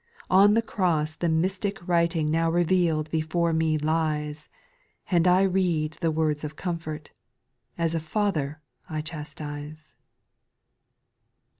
On the cross the mystic writing Now reveal'd before me lies And I read the words of comfort, As a father, I chastise."